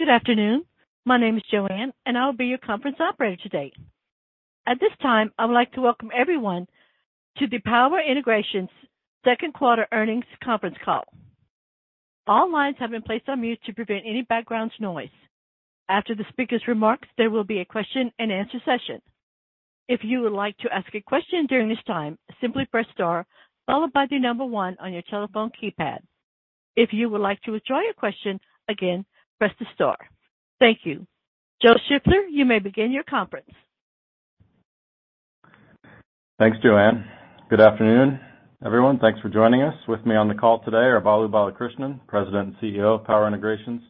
Good afternoon. My name is Joanne, and I will be your conference operator today. At this time, I would like to welcome everyone to the Power Integrations Second Quarter Earnings Conference Call. All lines have been placed on mute to prevent any background noise. After the speaker's remarks, there will be a question-and-answer session. If you would like to ask a question during this time, simply press star followed by the number one on your telephone keypad. If you would like to withdraw your question, again, press the star. Thank you. Joe Shiffler, you may begin your conference. Thanks, Joanne. Good afternoon, everyone. Thanks for joining us. With me on the call today are Balu Balakrishnan, President and CEO of Power Integrations,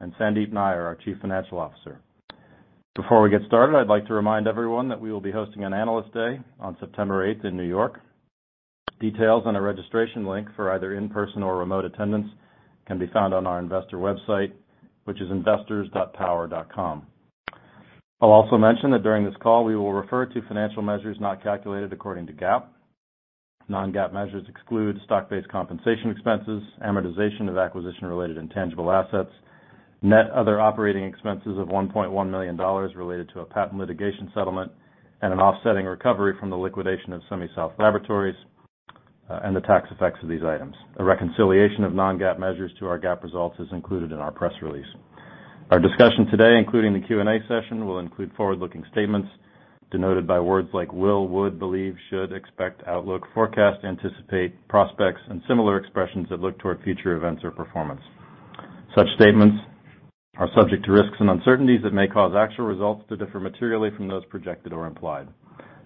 and Sandeep Nayyar, our Chief Financial Officer. Before we get started, I'd like to remind everyone that we will be hosting an Analyst Day on September 8th in New York. Details on our registration link for either in-person or remote attendance can be found on our investor website, which is investors.power.com. I'll also mention that during this call, we will refer to financial measures not calculated according to GAAP. Non-GAAP measures exclude stock-based compensation expenses, amortization of acquisition-related intangible assets, net other operating expenses of $1.1 million related to a patent litigation settlement, and an offsetting recovery from the liquidation of Semi-South Laboratories, and the tax effects of these items. A reconciliation of non-GAAP measures to our GAAP results is included in our press release. Our discussion today, including the Q&A session, will include forward-looking statements denoted by words like will, would, believe, should, expect, outlook, forecast, anticipate, prospects, and similar expressions that look toward future events or performance. Such statements are subject to risks and uncertainties that may cause actual results to differ materially from those projected or implied.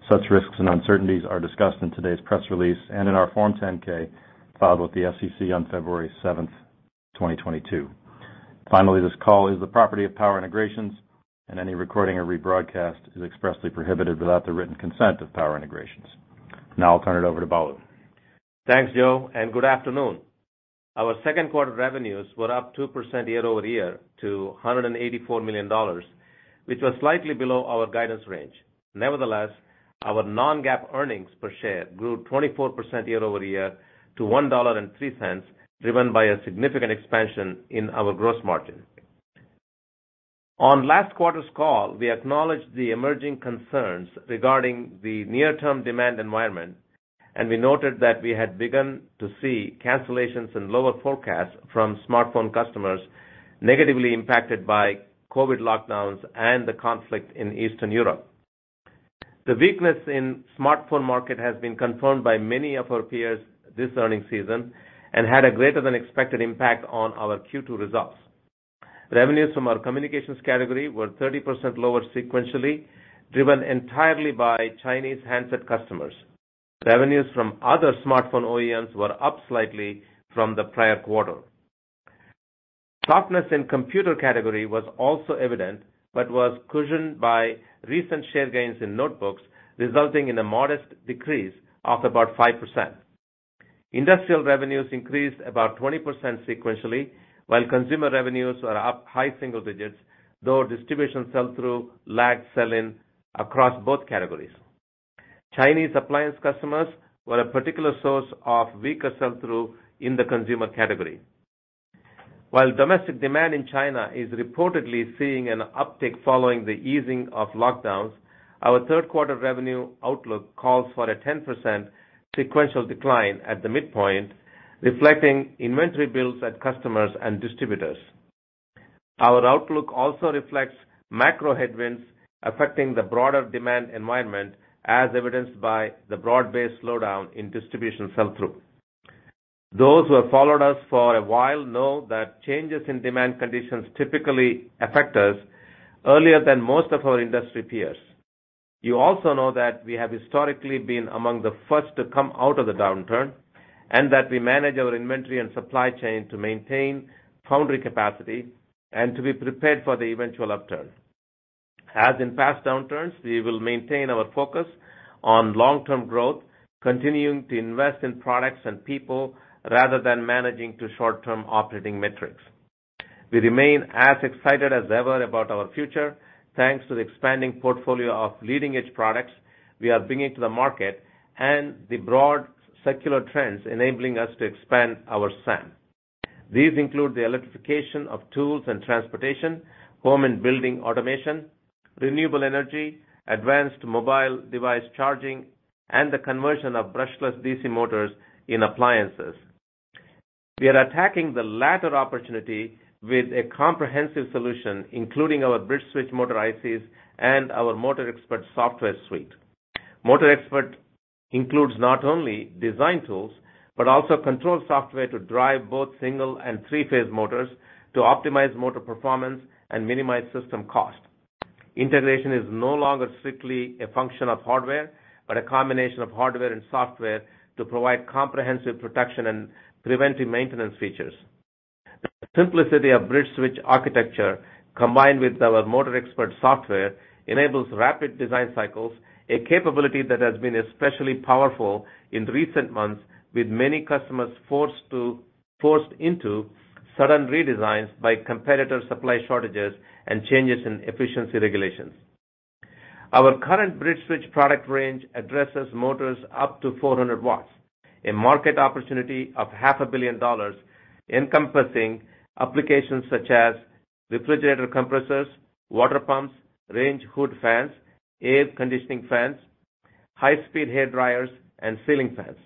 Such risks and uncertainties are discussed in today's press release and in our Form 10-K filed with the SEC on February seventh, 2022. Finally, this call is the property of Power Integrations and any recording or rebroadcast is expressly prohibited without the written consent of Power Integrations. Now I'll turn it over to Balu. Thanks, Joe, and good afternoon. Our second quarter revenues were up 2% year-over-year to $184 million, which was slightly below our guidance range. Nevertheless, our non-GAAP earnings per share grew 24% year-over-year to $1.03, driven by a significant expansion in our gross margin. On last quarter's call, we acknowledged the emerging concerns regarding the near-term demand environment, and we noted that we had begun to see cancellations and lower forecasts from smartphone customers negatively impacted by COVID lockdowns and the conflict in Eastern Europe. The weakness in smartphone market has been confirmed by many of our peers this earnings season and had a greater than expected impact on our Q2 results. Revenues from our communications category were 30% lower sequentially, driven entirely by Chinese handset customers. Revenues from other smartphone OEMs were up slightly from the prior quarter. Softness in computer category was also evident, but was cushioned by recent share gains in notebooks, resulting in a modest decrease of about 5%. Industrial revenues increased about 20% sequentially, while consumer revenues are up high single digits, though distribution sell-through lagged sell-in across both categories. Chinese appliance customers were a particular source of weaker sell-through in the consumer category. While domestic demand in China is reportedly seeing an uptick following the easing of lockdowns, our third quarter revenue outlook calls for a 10% sequential decline at the midpoint, reflecting inventory builds at customers and distributors. Our outlook also reflects macro headwinds affecting the broader demand environment, as evidenced by the broad-based slowdown in distribution sell-through. Those who have followed us for a while know that changes in demand conditions typically affect us earlier than most of our industry peers. You also know that we have historically been among the first to come out of the downturn, and that we manage our inventory and supply chain to maintain foundry capacity and to be prepared for the eventual upturn. As in past downturns, we will maintain our focus on long-term growth, continuing to invest in products and people rather than managing to short-term operating metrics. We remain as excited as ever about our future, thanks to the expanding portfolio of leading-edge products we are bringing to the market and the broad secular trends enabling us to expand our SAM. These include the electrification of tools and transportation, home and building automation, renewable energy, advanced mobile device charging, and the conversion of brushless DC motors in appliances. We are attacking the latter opportunity with a comprehensive solution, including our BridgeSwitch motor ICs and our MotorXpert software suite. MotorXpert includes not only design tools, but also control software to drive both single and three-phase motors to optimize motor performance and minimize system cost. Integration is no longer strictly a function of hardware, but a combination of hardware and software to provide comprehensive protection and preventive maintenance features. The simplicity of BridgeSwitch architecture, combined with our MotorXpert software, enables rapid design cycles, a capability that has been especially powerful in recent months, with many customers forced into sudden redesigns by competitor supply shortages and changes in efficiency regulations. Our current BridgeSwitch product range addresses motors up to 400 watts, a market opportunity of half a billion dollars encompassing applications such as refrigerator compressors, water pumps, range hood fans, air conditioning fans, high-speed hairdryers, and ceiling fans.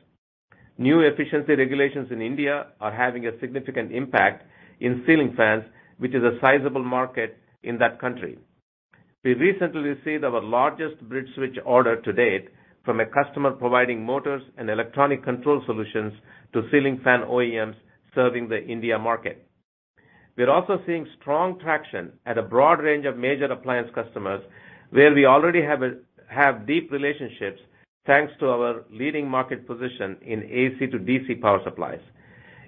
New efficiency regulations in India are having a significant impact in ceiling fans, which is a sizable market in that country. We recently received our largest BridgeSwitch order to date from a customer providing motors and electronic control solutions to ceiling fan OEMs serving the India market. We're also seeing strong traction at a broad range of major appliance customers where we already have deep relationships thanks to our leading market position in AC to DC power supplies.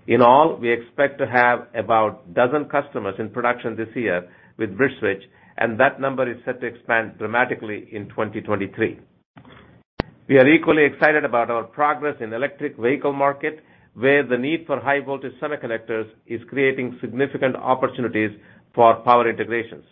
In all, we expect to have about a dozen customers in production this year with BridgeSwitch, and that number is set to expand dramatically in 2023. We are equally excited about our progress in electric vehicle market, where the need for high voltage semiconductors is creating significant opportunities for our Power Integrations.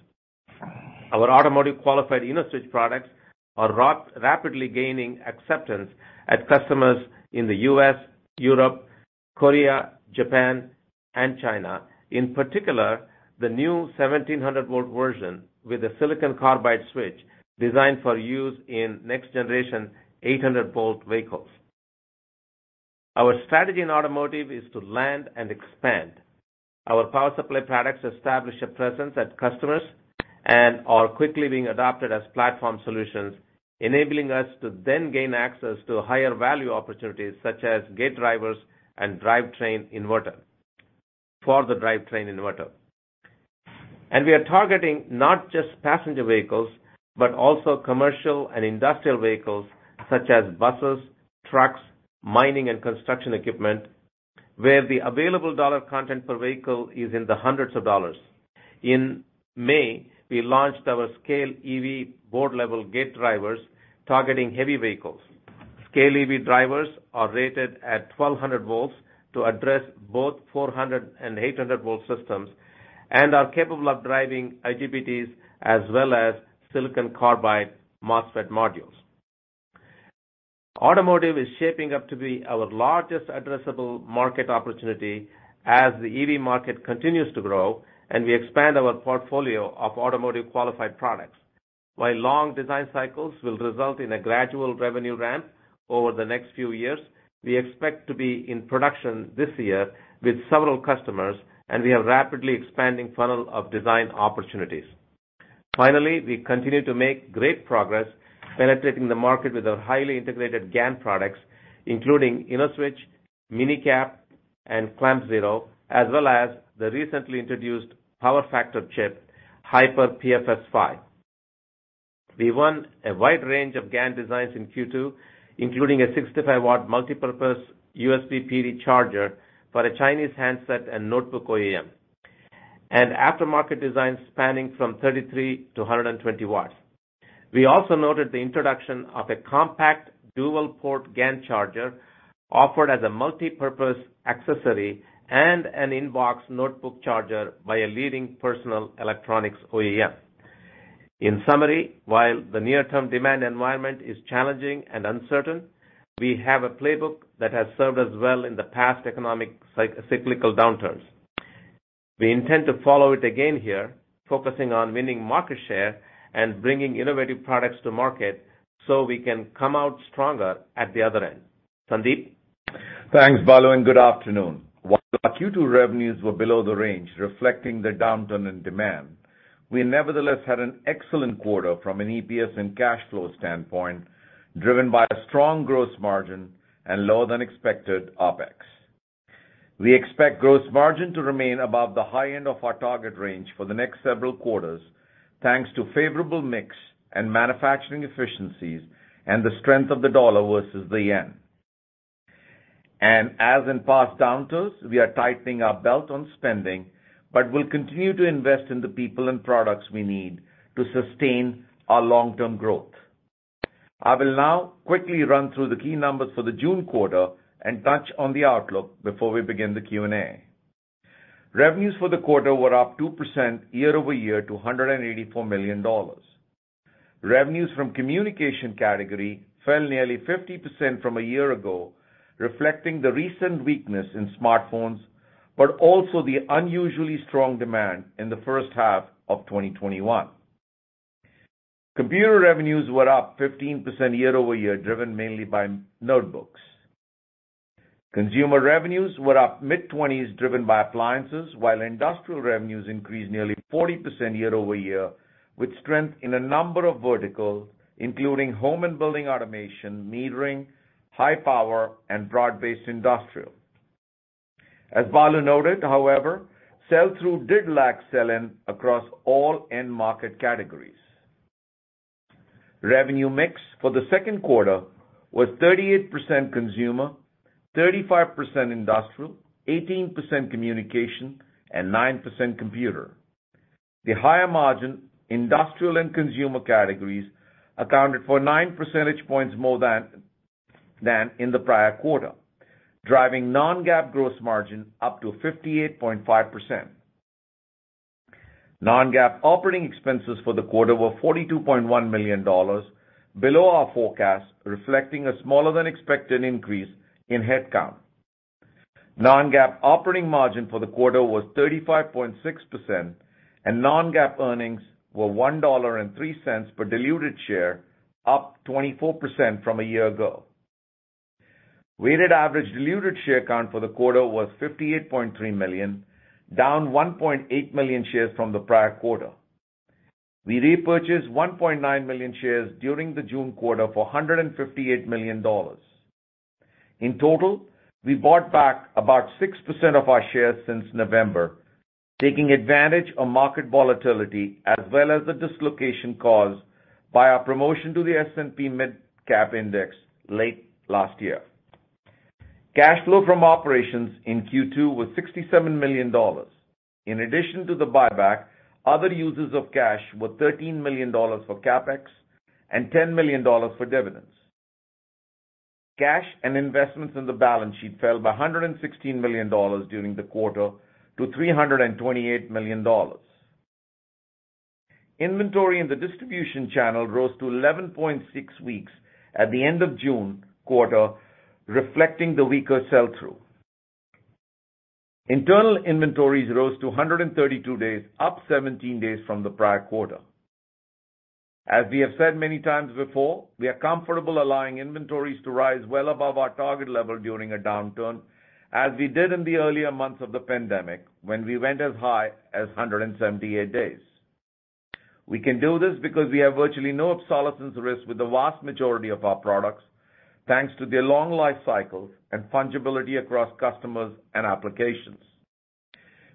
Our automotive qualified InnoSwitch products are rapidly gaining acceptance at customers in the U.S., Europe, Korea, Japan, and China. In particular, the new 1700-volt version with a silicon carbide switch designed for use in next-generation 800-volt vehicles. Our strategy in automotive is to land and expand. Our power supply products establish a presence at customers and are quickly being adopted as platform solutions, enabling us to then gain access to higher value opportunities such as gate drivers and drivetrain inverter. We are targeting not just passenger vehicles, but also commercial and industrial vehicles such as buses, trucks, mining and construction equipment, where the available dollar content per vehicle is in the hundreds of dollars. In May, we launched our SCALE EV board-level gate drivers targeting heavy vehicles. SCALE EV drivers are rated at 1,200 volts to address both 400 and 800-volt systems and are capable of driving IGBTs as well as silicon carbide MOSFET modules. Automotive is shaping up to be our largest addressable market opportunity as the EV market continues to grow and we expand our portfolio of automotive qualified products. While long design cycles will result in a gradual revenue ramp over the next few years, we expect to be in production this year with several customers, and we are rapidly expanding funnel of design opportunities. Finally, we continue to make great progress penetrating the market with our highly integrated GaN products, including InnoSwitch, MinE-CAP, and ClampZero, as well as the recently introduced Power Factor Chip, HyperPFS-5. We won a wide range of GaN designs in Q2, including a 65 W multipurpose USB PD charger for a Chinese handset and notebook OEM, and aftermarket designs spanning from 33 to 120 W. We also noted the introduction of a compact dual-port GaN charger offered as a multipurpose accessory and an in-box notebook charger by a leading personal electronics OEM. In summary, while the near term demand environment is challenging and uncertain, we have a playbook that has served us well in the past economic cyclical downturns. We intend to follow it again here, focusing on winning market share and bringing innovative products to market so we can come out stronger at the other end. Sandeep? Thanks, Balu, and good afternoon. While our Q2 revenues were below the range, reflecting the downturn in demand, we nevertheless had an excellent quarter from an EPS and cash flow standpoint, driven by a strong gross margin and lower than expected OpEx. We expect gross margin to remain above the high end of our target range for the next several quarters, thanks to favorable mix and manufacturing efficiencies and the strength of the dollar versus the yen. As in past downturns, we are tightening our belt on spending, but will continue to invest in the people and products we need to sustain our long-term growth. I will now quickly run through the key numbers for the June quarter and touch on the outlook before we begin the Q&A. Revenues for the quarter were up 2% year-over-year to $184 million. Revenues from communication category fell nearly 50% from a year ago, reflecting the recent weakness in smartphones, but also the unusually strong demand in the first half of 2021. Computer revenues were up 15% year over year, driven mainly by notebooks. Consumer revenues were up mid-20s driven by appliances, while industrial revenues increased nearly 40% year over year with strength in a number of verticals, including home and building automation, metering, high power, and broad-based industrial. As Balu noted, however, sell-through lagged sell-in across all end market categories. Revenue mix for the second quarter was 38% consumer, 35% industrial, 18% communication, and 9% computer. The higher margin industrial and consumer categories accounted for 9 percentage points more than in the prior quarter, driving non-GAAP gross margin up to 58.5%. Non-GAAP operating expenses for the quarter were $42.1 million, below our forecast, reflecting a smaller than expected increase in headcount. Non-GAAP operating margin for the quarter was 35.6% and non-GAAP earnings were $1.03 per diluted share, up 24% from a year ago. Weighted average diluted share count for the quarter was 58.3 million, down 1.8 million shares from the prior quarter. We repurchased 1.9 million shares during the June quarter for $158 million. In total, we bought back about 6% of our shares since November, taking advantage of market volatility as well as the dislocation caused by our promotion to the S&P MidCap index late last year. Cash flow from operations in Q2 was $67 million. In addition to the buyback, other uses of cash were $13 million for CapEx and $10 million for dividends. Cash and investments in the balance sheet fell by $116 million during the quarter to $328 million. Inventory in the distribution channel rose to 11.6 weeks at the end of June quarter, reflecting the weaker sell-through. Internal inventories rose to 132 days, up 17 days from the prior quarter. As we have said many times before, we are comfortable allowing inventories to rise well above our target level during a downturn, as we did in the earlier months of the pandemic, when we went as high as 178 days. We can do this because we have virtually no obsolescence risk with the vast majority of our products, thanks to their long life cycles and fungibility across customers and applications.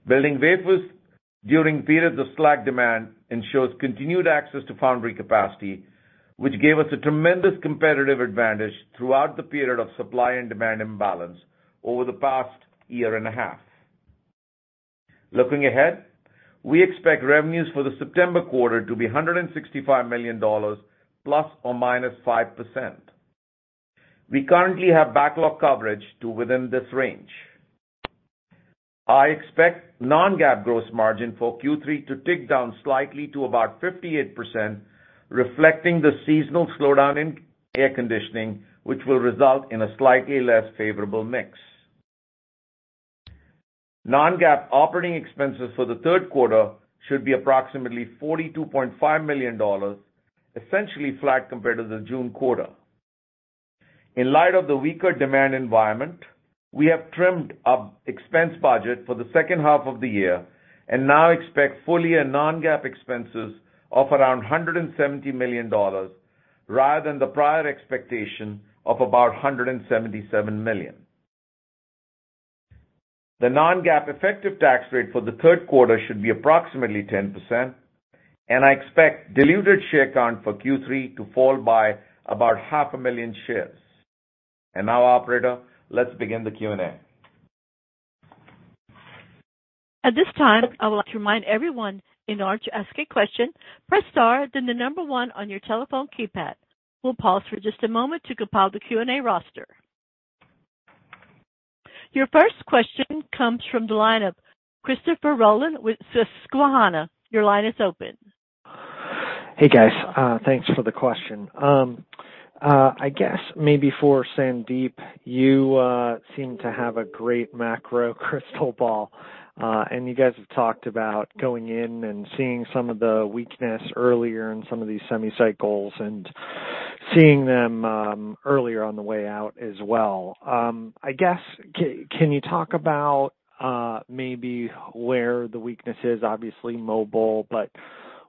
Building wafers during periods of slack demand ensures continued access to foundry capacity, which gave us a tremendous competitive advantage throughout the period of supply and demand imbalance over the past year and a half. Looking ahead, we expect revenues for the September quarter to be $165 million ±5%. We currently have backlog coverage to within this range. I expect non-GAAP gross margin for Q3 to tick down slightly to about 58%, reflecting the seasonal slowdown in air conditioning, which will result in a slightly less favorable mix. Non-GAAP operating expenses for the third quarter should be approximately $42.5 million, essentially flat compared to the June quarter. In light of the weaker demand environment, we have trimmed up expense budget for the second half of the year and now expect full-year and non-GAAP expenses of around $170 million, rather than the prior expectation of about $177 million. The non-GAAP effective tax rate for the third quarter should be approximately 10%, and I expect diluted share count for Q3 to fall by about 500,000 shares. Now, operator, let's begin the Q&A. At this time, I would like to remind everyone in order to ask a question, press star then the number one on your telephone keypad. We'll pause for just a moment to compile the Q&A roster. Your first question comes from the line of Christopher Rolland with Susquehanna. Your line is open. Hey, guys. Thanks for the Question. I guess maybe for Sandeep, you seem to have a great macro crystal ball, and you guys have talked about going in and seeing some of the weakness earlier in some of these semi cycles and seeing them earlier on the way out as well. I guess, can you talk about maybe where the weakness is, obviously mobile, but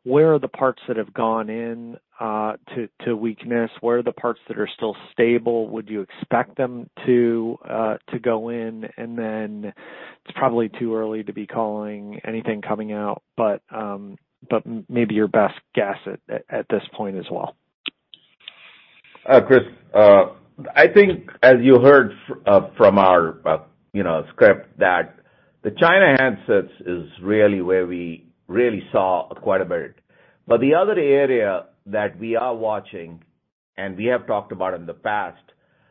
where are the parts that have gone in to weakness? Where are the parts that are still stable? Would you expect them to go in? It's probably too early to be calling anything coming out, but maybe your best guess at this point as well. Chris, I think as you heard from our you know script that the China handsets is really where we really saw quite a bit. The other area that we are watching, and we have talked about in the past,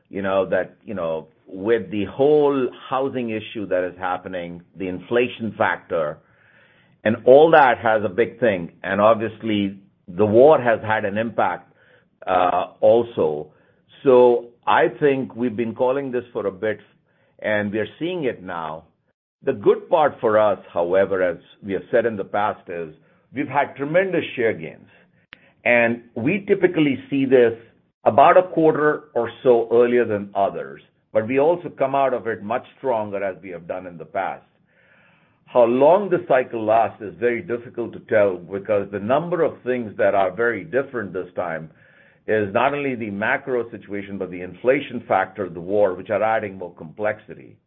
you know, that, you know, with the whole housing issue that is happening, the inflation factor, and all that has a big thing. Obviously, the war has had an impact also. I think we've been calling this for a bit, and we are seeing it now. The good part for us, however, as we have said in the past, is we've had tremendous share gains, and we typically see this about a quarter or so earlier than others. We also come out of it much stronger, as we have done in the past. How long this cycle lasts is very difficult to tell because the number of things that are very different this time is not only the macro situation, but the inflation factor, the war, which are adding more complexity.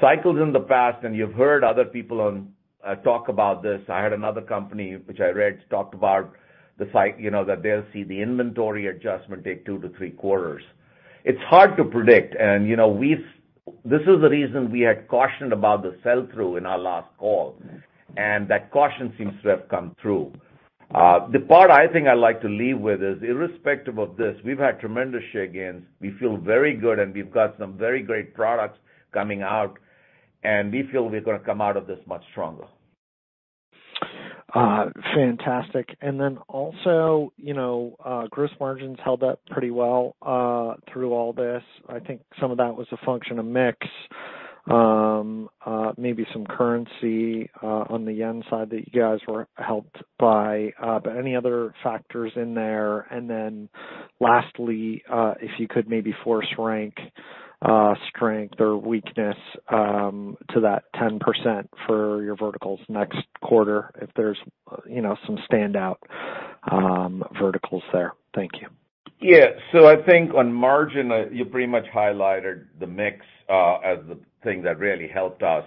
Cycles in the past, and you've heard other people on the call talk about this. I had another company which I led talked about the cycle, you know, that they'll see the inventory adjustment take 2-3 quarters. It's hard to predict. You know, this is the reason we had cautioned about the sell-through in our last call, and that caution seems to have come through. The part I think I'd like to leave with is irrespective of this, we've had tremendous share gains. We feel very good, and we've got some very great products coming out, and we feel we're gonna come out of this much stronger. Fantastic. Also, you know, gross margins held up pretty well through all this. I think some of that was a function of mix, maybe some currency on the yen side that you guys were helped by, but any other factors in there? Lastly, if you could maybe force rank strength or weakness to that 10% for your verticals next quarter, if there's, you know, some standout verticals there. Thank you. Yeah. I think on margin, you pretty much highlighted the mix, as the thing that really helped us.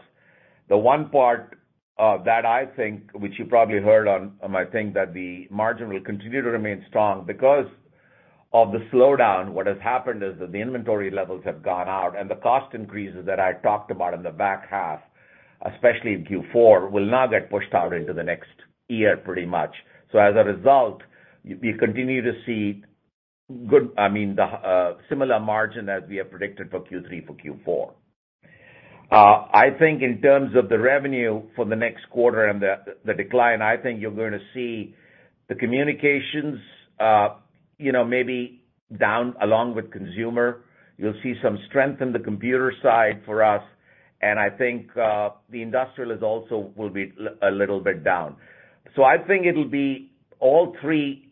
The one part that I think, which you probably heard on my thing that the margin will continue to remain strong because of the slowdown. What has happened is that the inventory levels have gone out, and the cost increases that I talked about in the back half, especially in Q4, will now get pushed out into the next year pretty much. As a result, you continue to see the similar margin as we have predicted for Q3, for Q4. I think in terms of the revenue for the next quarter and the decline, I think you're gonna see the communications, you know, maybe down along with consumer. You'll see some strength in the computer side for us, and I think the industrial also will be a little bit down. I think it'll be all three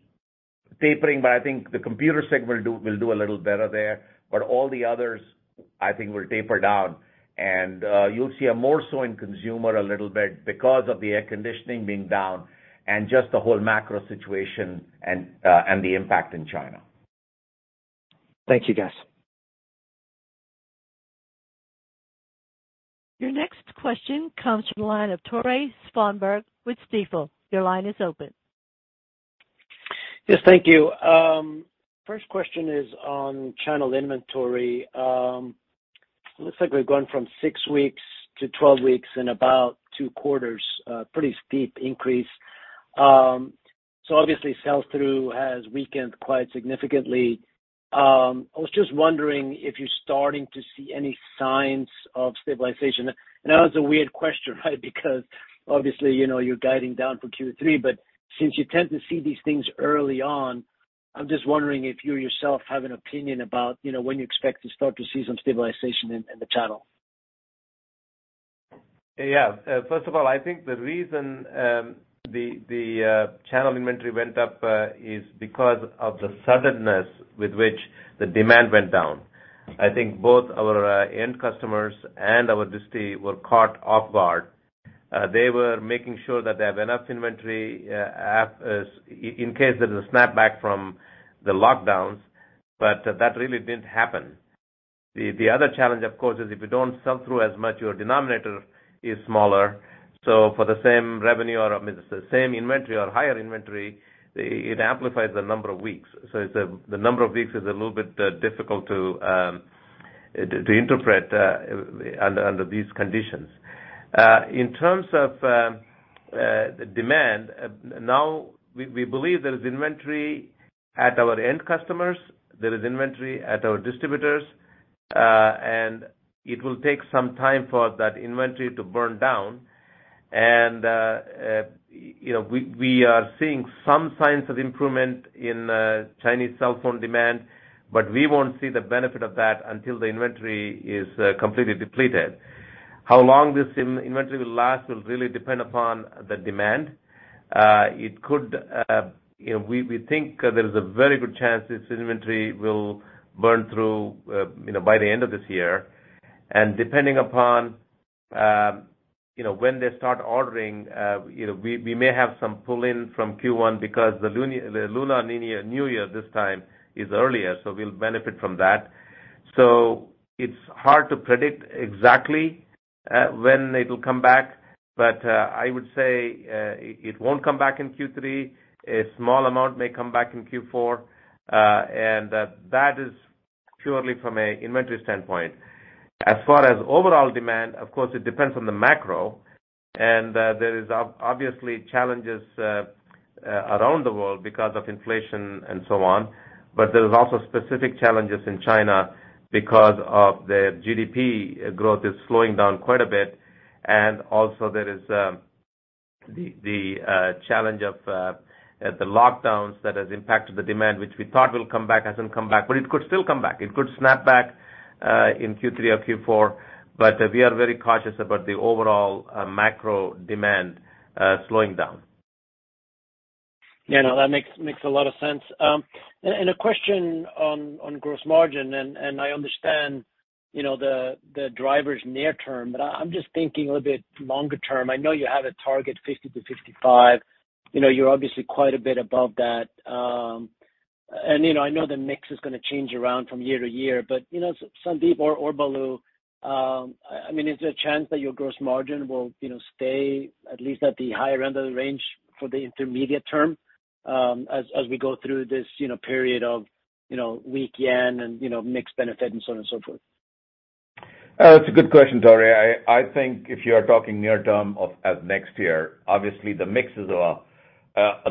tapering, but I think the computer segment will do a little better there. All the others I think will taper down. You'll see it more so in consumer a little bit because of the air conditioning being down and just the whole macro situation and the impact in China. Thank you, guys. Your next question comes from the line of Tore Svanberg with Stifel. Your line is open. Yes. Thank you. First question is on channel inventory. Looks like we've gone from six weeks to 12 weeks in about 2 quarters, pretty steep increase. So obviously sell-through has weakened quite significantly. I was just wondering if you're starting to see any signs of stabilization. I know it's a weird question, right? Because obviously, you know, you're guiding down for Q3, but since you tend to see these things early on, I'm just wondering if you yourself have an opinion about, you know, when you expect to start to see some stabilization in the channel. Yeah. First of all, I think the reason the channel inventory went up is because of the suddenness with which the demand went down. I think both our end customers and our distie were caught off guard. They were making sure that they have enough inventory in case there's a snap back from the lockdowns, but that really didn't happen. The other challenge, of course, is if you don't sell through as much, your denominator is smaller, so for the same revenue or, I mean, the same inventory or higher inventory, it amplifies the number of weeks. The number of weeks is a little bit difficult to interpret under these conditions. In terms of demand, now we believe there is inventory at our end customers, there is inventory at our distributors, and it will take some time for that inventory to burn down. You know, we are seeing some signs of improvement in Chinese cell phone demand, but we won't see the benefit of that until the inventory is completely depleted. How long this inventory will last will really depend upon the demand. It could, you know, we think there is a very good chance this inventory will burn through, you know, by the end of this year. Depending upon, you know, when they start ordering, you know, we may have some pull-in from Q1 because the Lunar New Year this time is earlier, so we'll benefit from that. It's hard to predict exactly, when it'll come back, but I would say, it won't come back in Q3. A small amount may come back in Q4. That is purely from an inventory standpoint. As far as overall demand, of course it depends on the macro, and there is obviously challenges around the world because of inflation and so on. There is also specific challenges in China because of the GDP growth is slowing down quite a bit. Also, there is the challenge of lockdowns that has impacted the demand, which we thought will come back, hasn't come back. It could still come back. It could snap back in Q3 or Q4, but we are very cautious about the overall macro demand slowing down. Yeah, no, that makes a lot of sense. A question on gross margin, and I understand, you know, the drivers near term, but I'm just thinking a little bit longer term. I know you have a target 50%-55%. You know, you're obviously quite a bit above that. I know the mix is gonna change around from year to year, but Sandeep or Balu, I mean, is there a chance that your gross margin will, you know, stay at least at the higher end of the range for the intermediate term, as we go through this period of weak yen and mix benefit and so on and so forth? Oh, it's a good question, Tore. I think if you're talking near term of as next year, obviously the mix is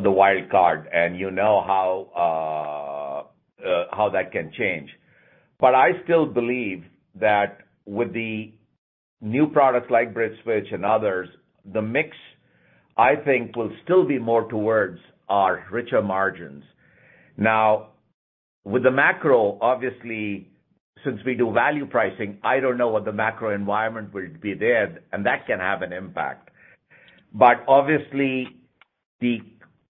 the wild card and you know how that can change. I still believe that with the new products like BridgeSwitch and others, the mix, I think will still be more towards our richer margins. Now with the macro, obviously, since we do value pricing, I don't know what the macro environment will be there, and that can have an impact. Obviously, the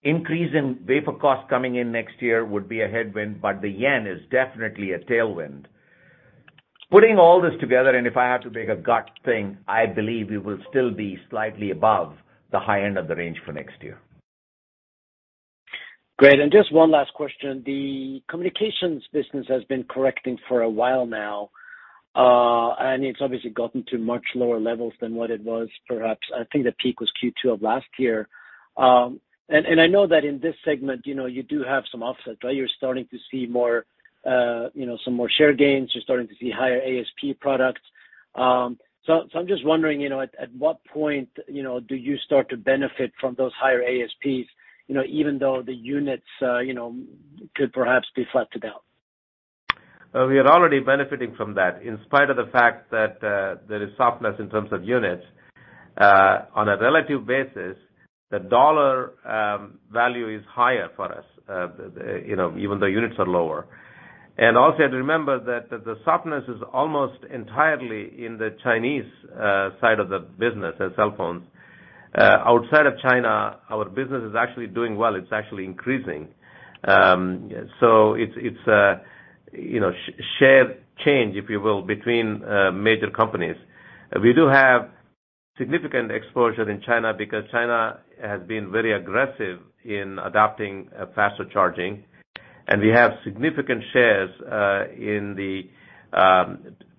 increase in wafer costs coming in next year would be a headwind, but the yen is definitely a tailwind. Putting all this together, and if I have to make a gut thing, I believe we will still be slightly above the high end of the range for next year. Great. Just one last question. The communications business has been correcting for a while now, and it's obviously gotten to much lower levels than what it was, perhaps I think the peak was Q2 of last year. And I know that in this segment, you know, you do have some offsets, right? You're starting to see more, you know, some more share gains. You're starting to see higher ASP products. So I'm just wondering, you know, at what point, you know, do you start to benefit from those higher ASPs, you know, even though the units, you know, could perhaps be flat to down? We are already benefiting from that in spite of the fact that there is softness in terms of units. On a relative basis, the dollar value is higher for us, you know, even though units are lower. Also, to remember that the softness is almost entirely in the Chinese side of the business in cell phones. Outside of China, our business is actually doing well. It's actually increasing. It's a, you know, shared change, if you will, between major companies. We do have significant exposure in China because China has been very aggressive in adopting a faster charging, and we have significant shares in the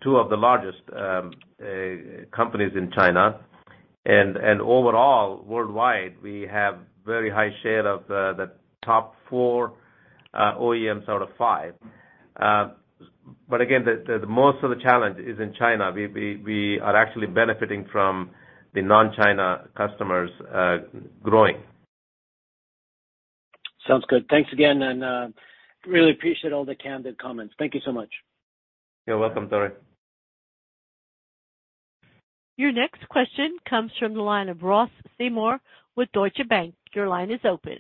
two of the largest companies in China. Overall, worldwide, we have very high share of the top four OEMs out of five. Again, the most of the challenge is in China. We are actually benefiting from the non-China customers growing. Sounds good. Thanks again, and really appreciate all the candid comments. Thank you so much. You're welcome, Tore. Your next question comes from the line of Ross Seymore with Deutsche Bank. Your line is open.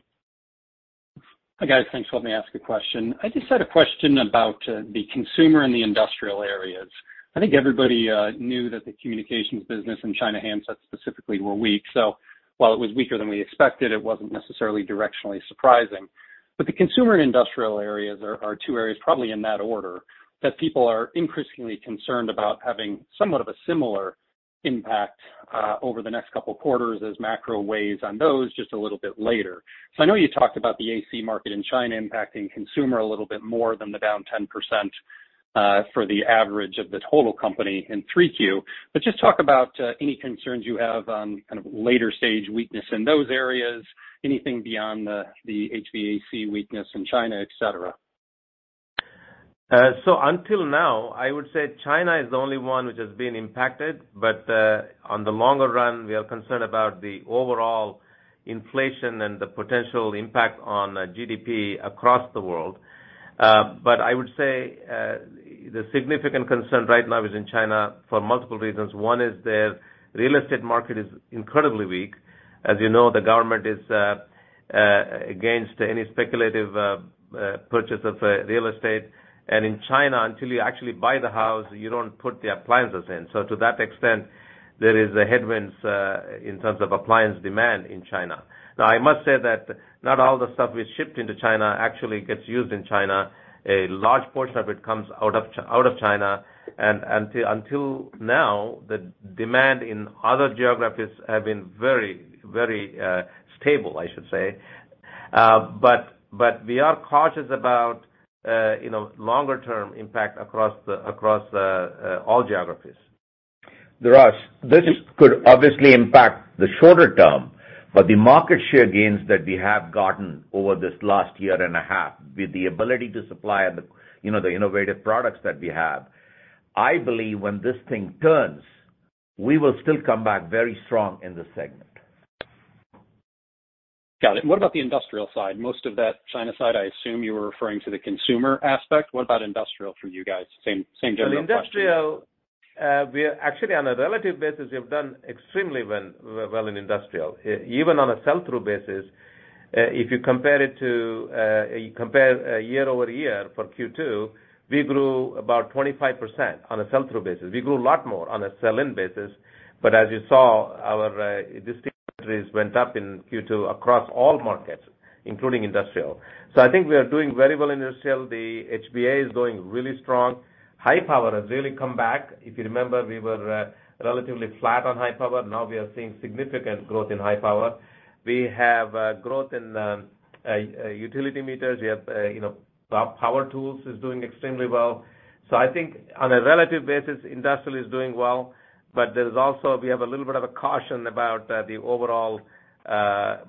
Hi, guys. Thanks for letting me ask a question. I just had a question about the consumer and the industrial areas. I think everybody knew that the communications business in China handsets specifically were weak. While it was weaker than we expected, it wasn't necessarily directionally surprising. The consumer and industrial areas are two areas probably in that order that people are increasingly concerned about having somewhat of a similar impact over the next couple of quarters as macro weighs on those just a little bit later. I know you talked about the AC market in China impacting consumer a little bit more than the down 10% for the average of the total company in 3Q. Just talk about any concerns you have on kind of later stage weakness in those areas, anything beyond the HVAC weakness in China, et cetera. Until now, I would say China is the only one which has been impacted. On the longer run, we are concerned about the overall inflation and the potential impact on GDP across the world. I would say the significant concern right now is in China for multiple reasons. One is their real estate market is incredibly weak. As you know, the government is against any speculative purchase of real estate. In China, until you actually buy the house, you don't put the appliances in. To that extent, there is a headwinds in terms of appliance demand in China. Now, I must say that not all the stuff we shipped into China actually gets used in China. A large portion of it comes out of China. Until now, the demand in other geographies have been very stable, I should say. We are cautious about, you know, longer term impact across the all geographies. Ross, this could obviously impact the shorter term, but the market share gains that we have gotten over this last year and a half, with the ability to supply and the, you know, the innovative products that we have, I believe when this thing turns, we will still come back very strong in this segment. Got it. What about the industrial side? Most of that China side, I assume you were referring to the consumer aspect. What about industrial for you guys? Same, same general question. The industrial, we are actually on a relative basis. We have done extremely well in industrial. Even on a sell-through basis, if you compare year-over-year for Q2, we grew about 25% on a sell-through basis. We grew a lot more on a sell-in basis. As you saw, our distributors went up in Q2 across all markets, including industrial. I think we are doing very well in industrial. The HBA is doing really strong. High power has really come back. If you remember, we were relatively flat on high power. Now we are seeing significant growth in high power. We have growth in utility meters. We have, you know, power tools is doing extremely well. I think on a relative basis, industrial is doing well, but there's also, we have a little bit of a caution about the overall,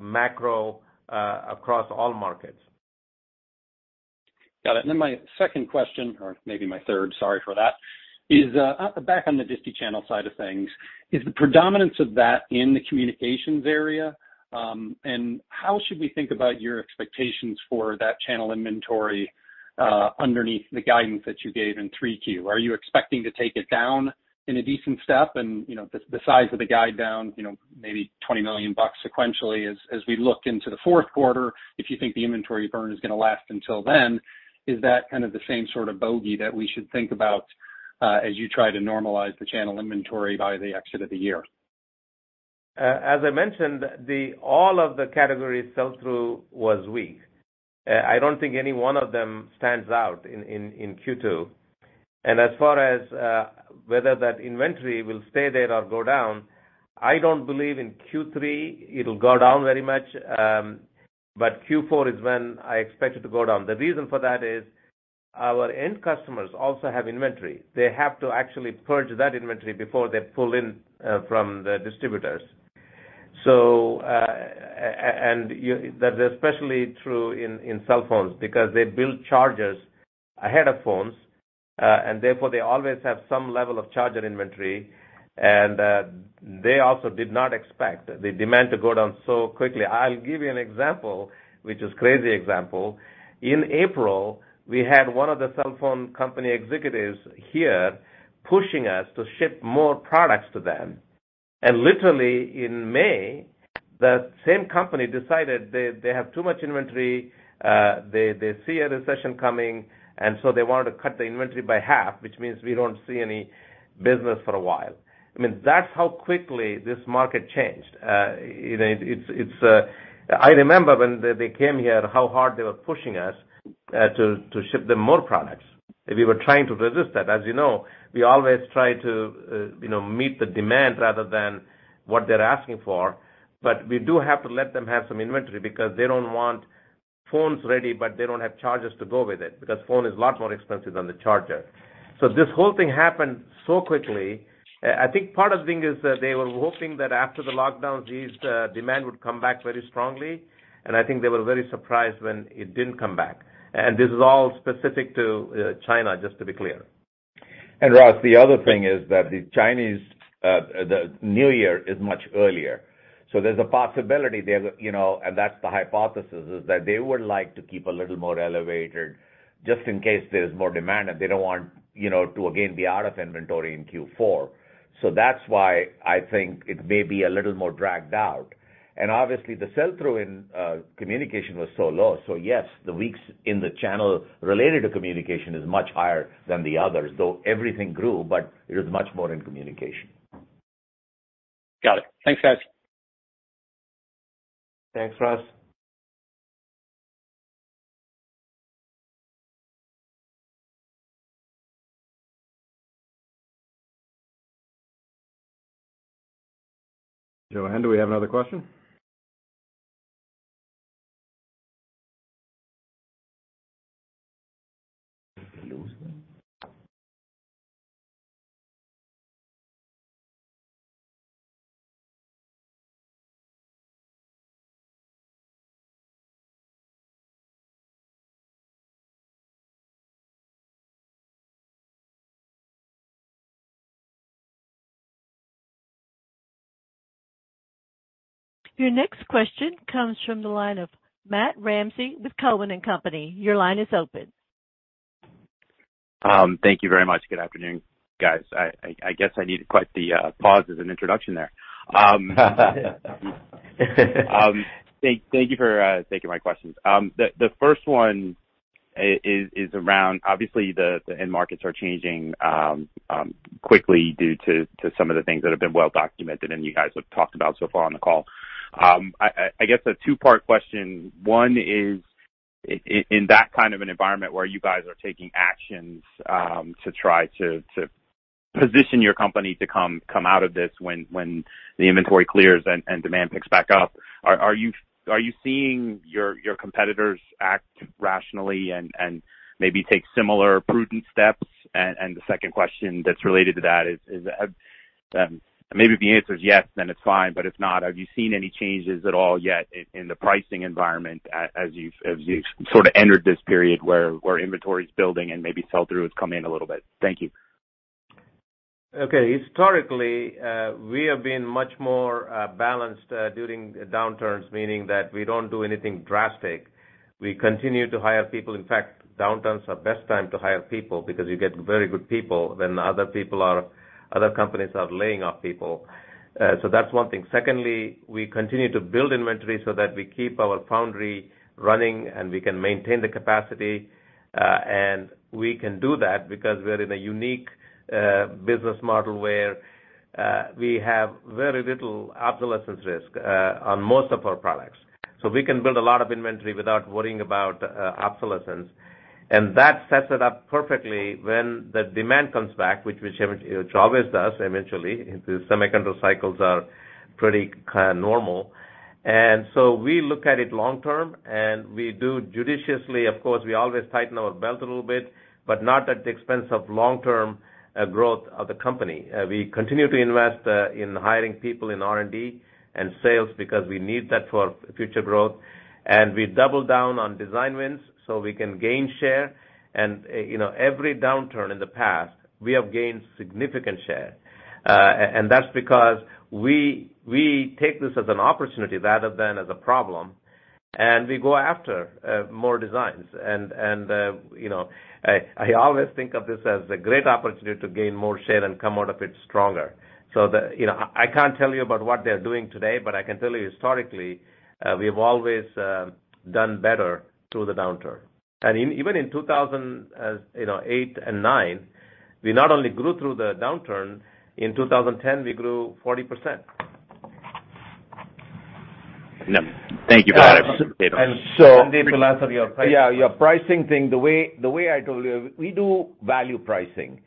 macro, across all markets. Got it. My second question, or maybe my third, sorry for that, is back on the distie channel side of things, is the predominance of that in the communications area, and how should we think about your expectations for that channel inventory, underneath the guidance that you gave in 3Q? Are you expecting to take it down in a decent step? You know, the size of the guide down, you know, maybe $20 million sequentially as we look into the fourth quarter, if you think the inventory burn is gonna last until then, is that kind of the same sort of bogey that we should think about as you try to normalize the channel inventory by the end of the year? As I mentioned, all of the categories sell-through was weak. I don't think any one of them stands out in Q2. As far as whether that inventory will stay there or go down, I don't believe in Q3 it'll go down very much, but Q4 is when I expect it to go down. The reason for that is our end customers also have inventory. They have to actually purge that inventory before they pull in from the distributors. That's especially true in cell phones because they build chargers ahead of phones, and therefore, they always have some level of charger inventory, and they also did not expect the demand to go down so quickly. I'll give you an example, which is crazy example. In April, we had one of the cell phone company executives here pushing us to ship more products to them. Literally in May, that same company decided they have too much inventory, they see a recession coming, and so they wanted to cut the inventory by half, which means we don't see any business for a while. I mean, that's how quickly this market changed. You know, I remember when they came here, how hard they were pushing us to ship them more products. We were trying to resist that. As you know, we always try to, you know, meet the demand rather than what they're asking for. We do have to let them have some inventory because they don't want phones ready, but they don't have chargers to go with it, because phone is a lot more expensive than the charger. This whole thing happened so quickly. I think part of the thing is that they were hoping that after the lockdowns eased, demand would come back very strongly, and I think they were very surprised when it didn't come back. This is all specific to China, just to be clear. Ross, the other thing is that the Chinese New Year is much earlier. There's a possibility, you know, and that's the hypothesis, is that they would like to keep a little more elevated just in case there's more demand, and they don't want, you know, to again be out of inventory in Q4. That's why I think it may be a little more dragged out. Obviously the sell-through in communication was so low. Yes, the weeks in the channel related to communication is much higher than the others, though everything grew, but it was much more in communication. Got it. Thanks, guys. Thanks, Ross. Joanne, do we have another question? Your next question comes from the line of Matt Ramsay with Cowen and Company. Your line is open. Thank you very much. Good afternoon, guys. I guess I needed quite the pause as an introduction there. Thank you for taking my questions. The first one is around obviously the end markets are changing quickly due to some of the things that have been well documented and you guys have talked about so far on the call. I guess it's a two-part question. One is in that kind of an environment where you guys are taking actions to try to position your company to come out of this when the inventory clears and demand picks back up, are you seeing your competitors act rationally and maybe take similar prudent steps? The second question that's related to that is, maybe if the answer is yes, then it's fine, but if not, have you seen any changes at all yet in the pricing environment as you've sort of entered this period where inventory is building and maybe sell-through has come in a little bit? Thank you. Okay. Historically, we have been much more balanced during downturns, meaning that we don't do anything drastic. We continue to hire people. In fact, downturns are best time to hire people because you get very good people when other companies are laying off people. That's one thing. Secondly, we continue to build inventory so that we keep our foundry running, and we can maintain the capacity. We can do that because we're in a unique business model where we have very little obsolescence risk on most of our products. We can build a lot of inventory without worrying about obsolescence. That sets it up perfectly when the demand comes back, which it always does eventually. The semiconductor cycles are pretty kinda normal. We look at it long term, and we do judiciously. Of course, we always tighten our belt a little bit, but not at the expense of long-term growth of the company. We continue to invest in hiring people in R&D and sales because we need that for future growth. We double down on design wins, so we can gain share. You know, every downturn in the past, we have gained significant share. And that's because we take this as an opportunity rather than as a problem. We go after more designs. You know, I always think of this as a great opportunity to gain more share and come out of it stronger. You know, I can't tell you about what they're doing today, but I can tell you historically, we've always done better through the downturn. Even in 2008 and 2009, we not only grew through the downturn, in 2010, we grew 40%. Thank you for that. I appreciate it. Sandeep will answer your question. The pricing thing. Yeah, your pricing thing, the way I told you, we do value pricing.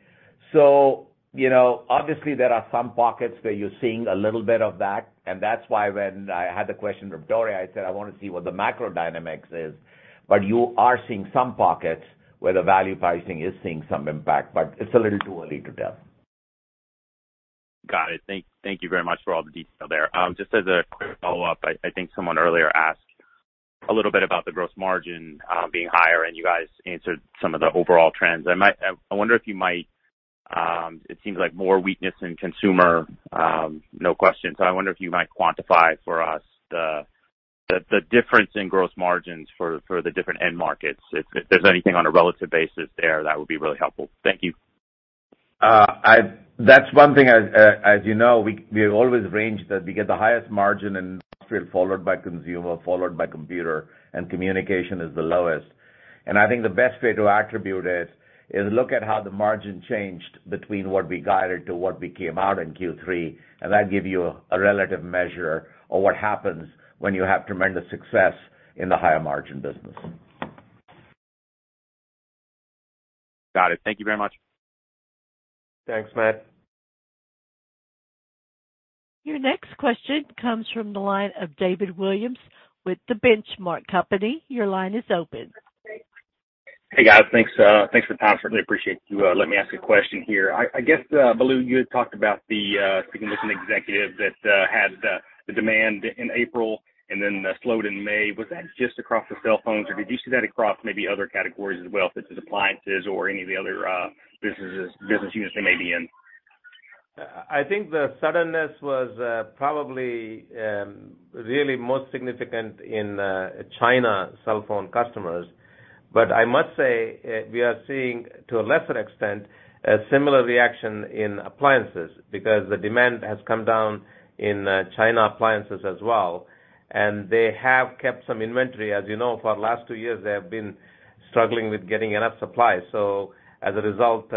You know, obviously there are some pockets where you're seeing a little bit of that, and that's why when I had the question from Tore, I said, "I wanna see what the macro dynamics is." You are seeing some pockets where the value pricing is seeing some impact, but it's a little too early to tell. Got it. Thank you very much for all the detail there. Just as a quick follow-up, I think someone earlier asked a little bit about the gross margin being higher, and you guys answered some of the overall trends. I wonder if you might. It seems like more weakness in consumer, no question. I wonder if you might quantify for us the difference in gross margins for the different end markets. If there's anything on a relative basis there, that would be really helpful. Thank you. That's one thing, as you know, we always rank that we get the highest margin in industrial, followed by consumer, followed by computer, and communication is the lowest. I think the best way to attribute it is look at how the margin changed between what we guided to what we came out in Q3, and that give you a relative measure of what happens when you have tremendous success in the higher margin business. Got it. Thank you very much. Thanks, Matt. Your next question comes from the line of David Williams with The Benchmark Company. Your line is open. Hey, guys. Thanks for the time. Certainly appreciate you letting me ask a question here. I guess, Balu, you had talked about speaking with some executives that had the demand in April and then slowed in May. Was that just across the cell phones, or did you see that across maybe other categories as well, such as appliances or any of the other businesses, business units you may be in? I think the suddenness was probably really most significant in China cell phone customers. I must say we are seeing, to a lesser extent, a similar reaction in appliances because the demand has come down in China appliances as well, and they have kept some inventory. As you know, for the last two years, they have been struggling with getting enough supply. As a result,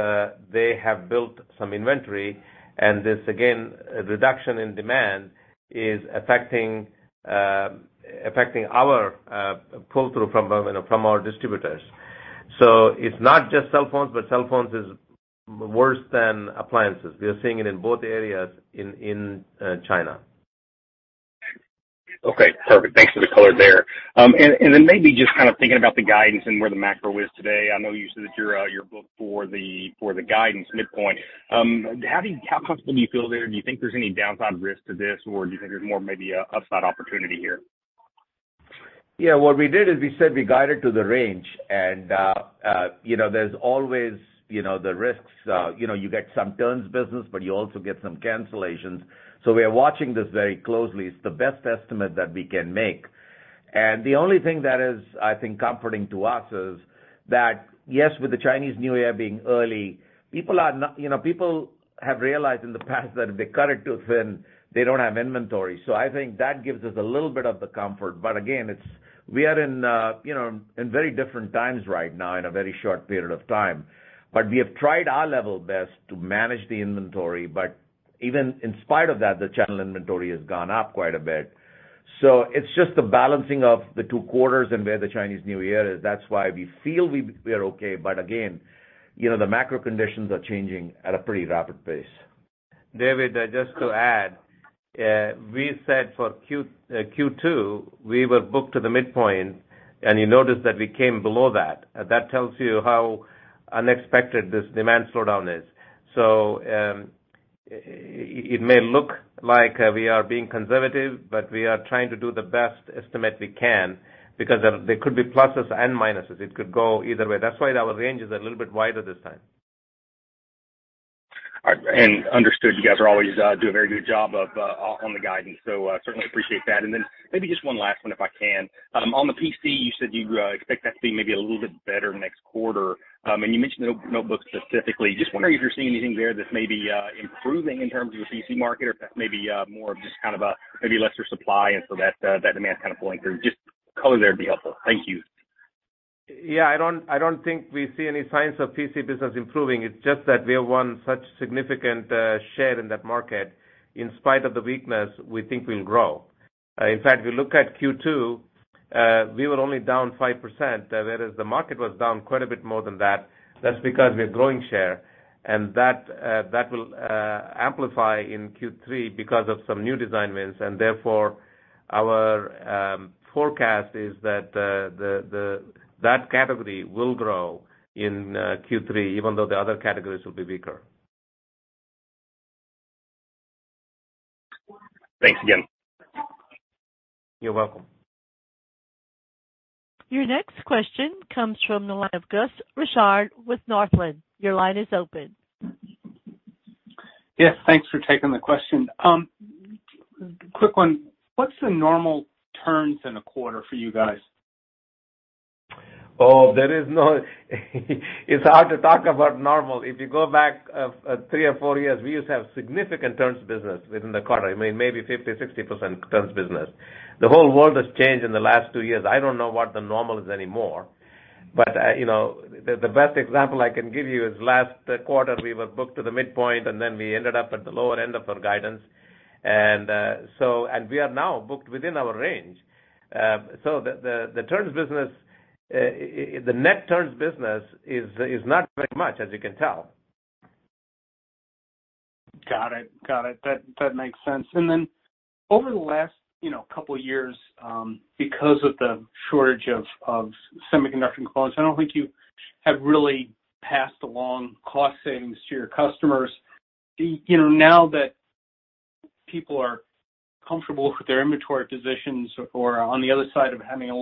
they have built some inventory, and this again reduction in demand is affecting our pull-through from, you know, from our distributors. It's not just cell phones, but cell phones is worse than appliances. We are seeing it in both areas in China. Okay, perfect. Thanks for the color there. Maybe just kind of thinking about the guidance and where the macro is today, I know you said that you're booked for the guidance midpoint. How comfortable do you feel there? Do you think there's any downside risk to this, or do you think there's more, maybe an upside opportunity here? Yeah, what we did is we said we guided to the range, and you know, there's always you know, the risks. You know, you get some turns business, but you also get some cancellations. We are watching this very closely. It's the best estimate that we can make. The only thing that is, I think, comforting to us is that, yes, with the Chinese New Year being early, people are not you know, people have realized in the past that if they cut it too thin, they don't have inventory. I think that gives us a little bit of the comfort. Again, it's we are in you know, in very different times right now in a very short period of time. We have tried our level best to manage the inventory. Even in spite of that, the channel inventory has gone up quite a bit. It's just the balancing of the two quarters and where the Chinese New Year is. That's why we feel we are okay. Again, you know, the macro conditions are changing at a pretty rapid pace. David, just to add, we said for Q2, we were booked to the midpoint, and you noticed that we came below that. That tells you how unexpected this demand slowdown is. It may look like we are being conservative, but we are trying to do the best estimate we can because there could be pluses and minuses. It could go either way. That's why our range is a little bit wider this time. All right. Understood. You guys always do a very good job on the guidance, so certainly appreciate that. Maybe just one last one, if I can. On the PC, you said you expect that to be maybe a little bit better next quarter. You mentioned the notebooks specifically. Just wondering if you're seeing anything there that's maybe improving in terms of your PC market or if that's maybe more of just kind of maybe lesser supply and so that demand is kind of pulling through. Just color there would be helpful. Thank you. Yeah, I don't think we see any signs of PC business improving. It's just that we have won such significant share in that market. In spite of the weakness, we think we'll grow. In fact, if you look at Q2, we were only down 5%, whereas the market was down quite a bit more than that. That's because we are growing share, and that will amplify in Q3 because of some new design wins, and therefore, our forecast is that that category will grow in Q3, even though the other categories will be weaker. Thanks again. You're welcome. Your next question comes from the line of Gus Richard with Northland. Your line is open. Yes, thanks for taking the question. Quick one. What's the normal turns in a quarter for you guys? It's hard to talk about normal. If you go back 3 or 4 years, we used to have significant turns business within the quarter, I mean, maybe 50, 60% in terms of business. The whole world has changed in the last two years. I don't know what the normal is anymore. You know, the best example I can give you is last quarter, we were booked to the midpoint, and then we ended up at the lower end of our guidance. We are now booked within our range. The turns business, the net turns business is not very much as you can tell. Got it. That makes sense. Then over the last, you know, couple of years, because of the shortage of semiconductor components, I don't think you have really passed along cost savings to your customers. You know, now that people are comfortable with their inventory positions or on the other side of having a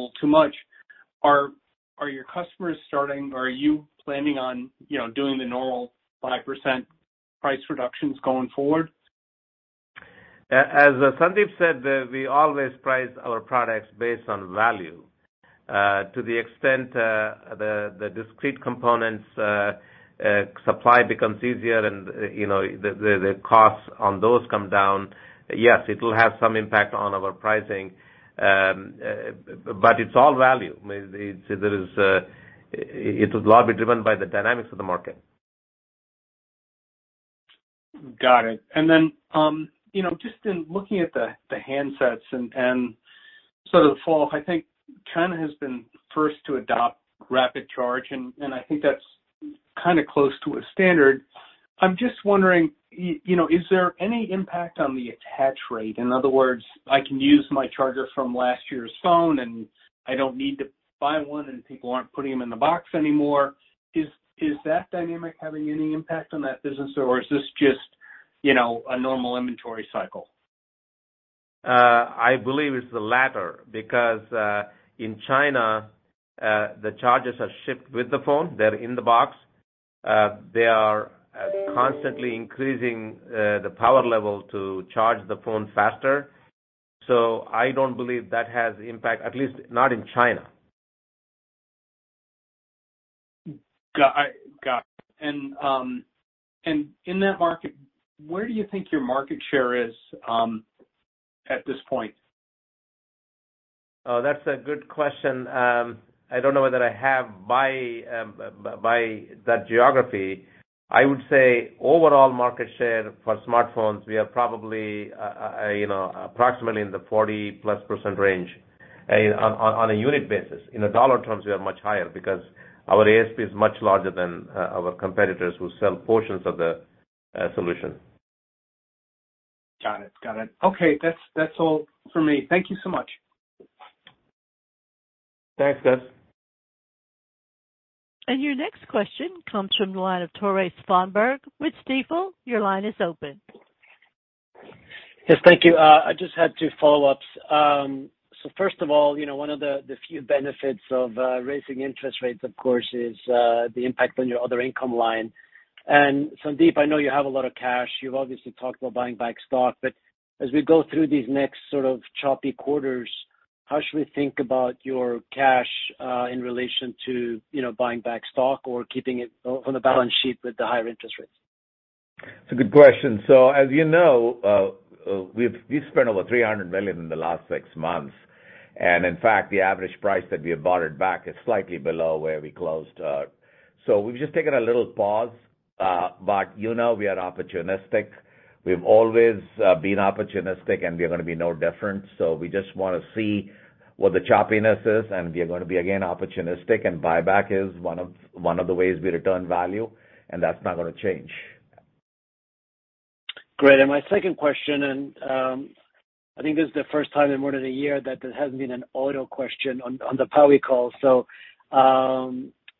little too much, are your customers starting or are you planning on, you know, doing the normal 5% price reductions going forward? As Sandeep said, we always price our products based on value. To the extent the discrete components supply becomes easier and, you know, the costs on those come down, yes, it'll have some impact on our pricing. It's all value. I mean, it will all be driven by the dynamics of the market. Got it. Then you know, just in looking at the handsets and so the fall, I think China has been first to adopt rapid charge, and I think that's kinda close to a standard. I'm just wondering, you know, is there any impact on the attach rate? In other words, I can use my charger from last year's phone, and I don't need to buy one, and people aren't putting them in the box anymore. Is that dynamic having any impact on that business, or is this just, you know, a normal inventory cycle? I believe it's the latter because, in China, the chargers are shipped with the phone. They're in the box. They are constantly increasing, the power level to charge the phone faster. I don't believe that has impact, at least not in China. I got it. In that market, where do you think your market share is at this point? Oh, that's a good question. I don't know whether I have by that geography. I would say overall market share for smartphones, we are probably you know, approximately in the 40-plus% range on a unit basis. In dollar terms, we are much higher because our ASP is much larger than our competitors who sell portions of the solution. Got it. Okay. That's all for me. Thank you so much. Thanks, Gus. Your next question comes from the line of Tore Svanberg with Stifel. Your line is open. Yes, thank you. I just had two follow-ups. First of all, you know, one of the few benefits of raising interest rates, of course, is the impact on your other income line. Sandeep, I know you have a lot of cash. You've obviously talked about buying back stock. As we go through these next sort of choppy quarters, how should we think about your cash in relation to, you know, buying back stock or keeping it on the balance sheet with the higher interest rates? It's a good question. As you know, we've spent over $300 million in the last six months, and in fact, the average price that we have bought it back is slightly below where we closed. We've just taken a little pause, but you know, we are opportunistic. We've always been opportunistic, and we're gonna be no different. We just wanna see what the choppiness is, and we are gonna be, again, opportunistic and buyback is one of the ways we return value, and that's not gonna change. Great. My second question, I think this is the first time in more than a year that there hasn't been an auto question on the POWI call.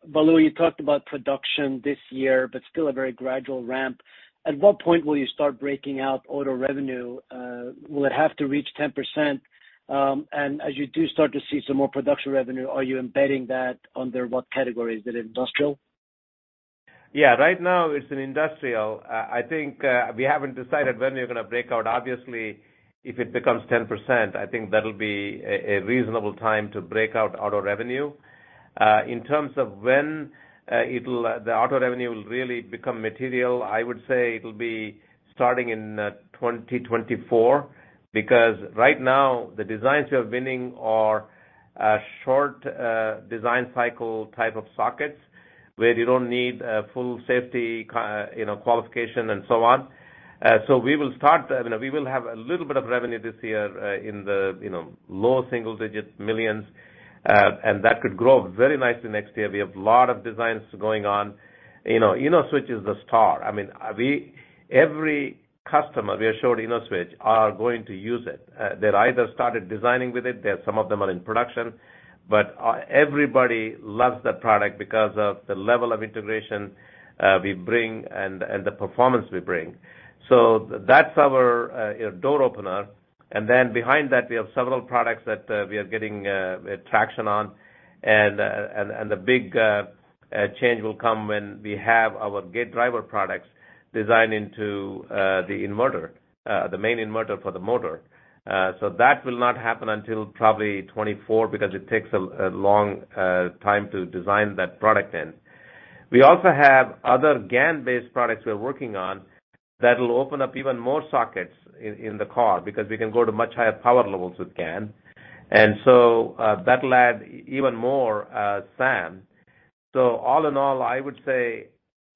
Balu, you talked about production this year, but still a very gradual ramp. At what point will you start breaking out auto revenue? Will it have to reach 10%? And as you do start to see some more production revenue, are you embedding that under what category? Is it industrial? Yeah. Right now it's in industrial. I think we haven't decided when we're gonna break out. Obviously, if it becomes 10%, I think that'll be a reasonable time to break out auto revenue. In terms of when, the auto revenue will really become material, I would say it'll be starting in 2024. Because right now, the designs we're building are short design cycle type of sockets, where you don't need a full safety qualification and so on. So we will start, I mean, we will have a little bit of revenue this year, in the low single-digit millions, and that could grow very nicely next year. We have a lot of designs going on. You know, InnoSwitch is the star. I mean, every customer we've shown InnoSwitch are going to use it. They either started designing with it. Some of them are in production. Everybody loves that product because of the level of integration we bring and the performance we bring. That's our door opener. Then behind that, we have several products that we are getting traction on. The big change will come when we have our gate driver products designed into the inverter, the main inverter for the motor. That will not happen until probably 2024 because it takes a long time to design that product in. We also have other GaN-based products we're working on that'll open up even more sockets in the car because we can go to much higher power levels with GaN. That'll add even more SAM. All in all, I would say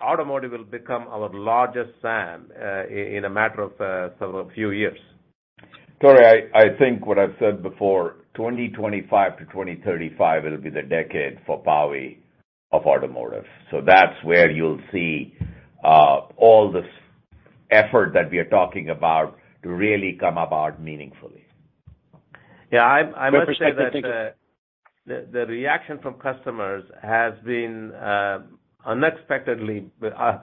automotive will become our largest SAM in a matter of sort of a few years. Tore, I think what I've said before, 2025 to 2035 will be the decade for power of automotive. That's where you'll see all this effort that we are talking about to really come about meaningfully. Yeah, I must say that the reaction from customers has been unexpectedly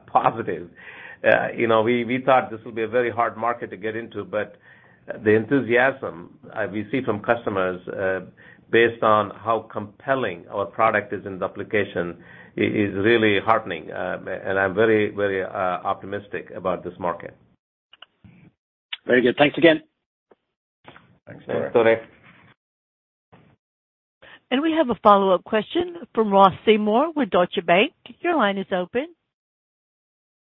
positive. You know, we thought this would be a very hard market to get into, but the enthusiasm we see from customers based on how compelling our product is in the application is really heartening. I'm very optimistic about this market. Very good. Thanks again. Thanks, Tore. Thanks. We have a follow-up question from Ross Seymore with Deutsche Bank. Your line is open.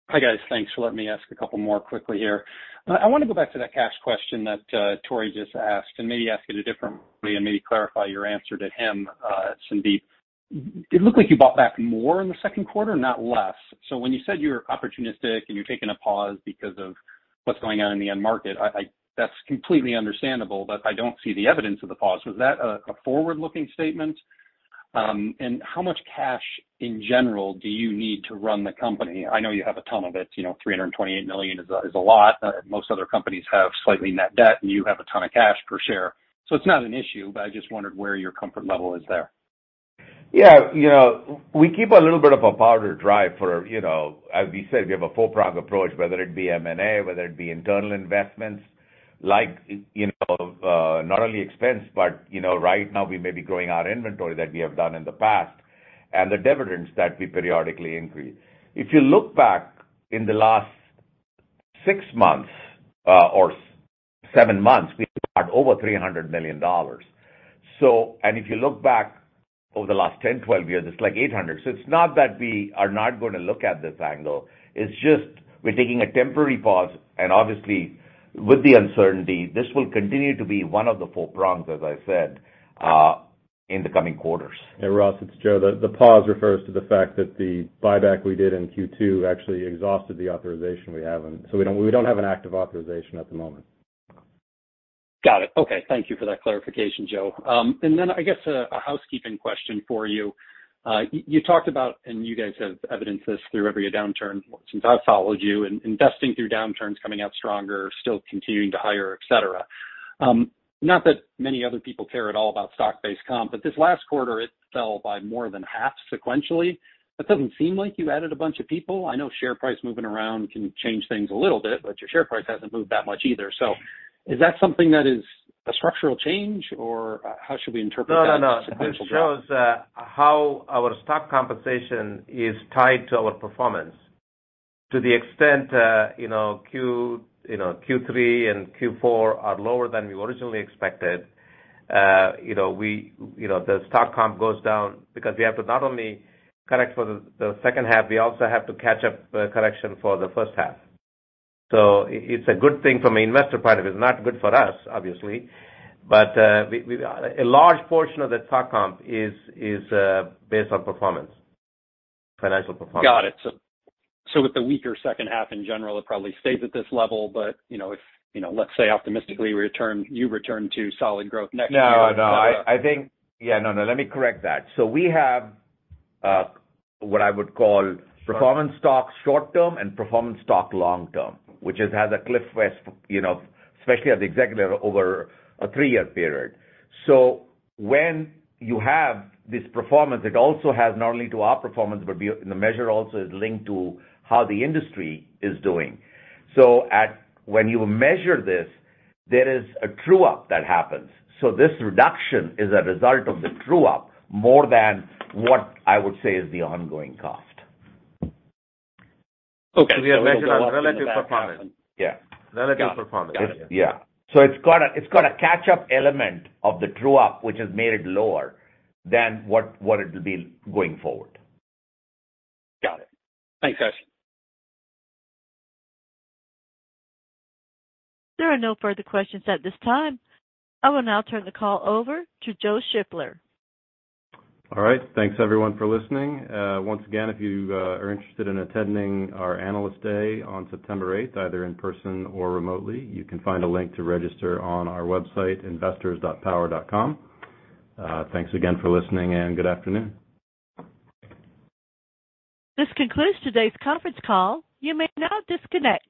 Hi, guys. Thanks for letting me ask a couple more quickly here. I wanna go back to that cash question that Tore just asked, and maybe ask it differently and maybe clarify your answer to him, Sandeep. It looked like you bought back more in the second quarter, not less. When you said you're opportunistic and you're taking a pause because of what's going on in the end market, that's completely understandable, but I don't see the evidence of the pause. Was that a forward-looking statement? And how much cash in general do you need to run the company? I know you have a ton of it, you know, $328 million is a lot. Most other companies have slightly net debt, and you have a ton of cash per share. It's not an issue, but I just wondered where your comfort level is there. Yeah, you know, we keep a little bit of a powder dry for, you know, as we said, we have a four-prong approach, whether it be M&A, whether it be internal investments, like, you know, not only expense, but you know, right now we may be growing our inventory that we have done in the past, and the dividends that we periodically increase. If you look back in the last six months or seven months, we've got over $300 million. If you look back over the last 10, 12 years, it's like $800. It's not that we are not gonna look at this angle, it's just we're taking a temporary pause, and obviously, with the uncertainty, this will continue to be one of the four prongs, as I said, in the coming quarters. Yeah. Ross, it's Joe. The pause refers to the fact that the buyback we did in Q2 actually exhausted the authorization we have. We don't have an active authorization at the moment. Got it. Okay. Thank you for that clarification, Joe. Then I guess a housekeeping question for you. You talked about, and you guys have evidenced this through every downturn since I've followed you, in investing through downturns, coming out stronger, still continuing to hire, et cetera. Not that many other people care at all about stock-based comp, but this last quarter it fell by more than half sequentially. That doesn't seem like you added a bunch of people. I know share price moving around can change things a little bit, but your share price hasn't moved that much either. Is that something that is a structural change or how should we interpret that? No, no. This shows how our stock compensation is tied to our performance. To the extent you know Q3 and Q4 are lower than we originally expected, you know we you know the stock comp goes down because we have to not only correct for the second half, we also have to catch up correction for the first half. It's a good thing from an investor point of view. It's not good for us, obviously, but we a large portion of the stock comp is based on performance, financial performance. Got it. With the weaker second half in general, it probably stays at this level. You know, if you know, let's say you return to solid growth next year. No. I think. Yeah, no. Let me correct that. We have what I would call performance stock short term and performance stock long term, which has a cliff vest, you know, especially at the executive level over a three-year period. When you have this performance, it also has not only to our performance, but the measure also is linked to how the industry is doing. When you measure this, there is a true up that happens. This reduction is a result of the true up more than what I would say is the ongoing cost. Okay. We are measuring on relative performance. Yeah. Relative performance. Yeah. It's got a catch-up element of the true up, which has made it lower than what it'll be going forward. Got it. Thanks, guys. There are no further questions at this time. I will now turn the call over to Joe Shiffler. All right. Thanks everyone for listening. Once again, if you are interested in attending our Analyst Day on September 8th, either in person or remotely, you can find a link to register on our website, investors.power.com. Thanks again for listening and good afternoon. This concludes today's conference call. You may now disconnect.